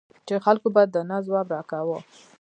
چې خلکو به د نه ځواب را کاوه.